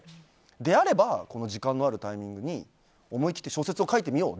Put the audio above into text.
であれば時間のあるタイミングに思い切って小説を書いてみよう！